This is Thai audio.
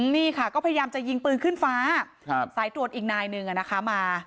นี่ค่ะก็พยายามจะยิงปืนขึ้นฟ้าสายตรวจอีกนายหนึ่งมา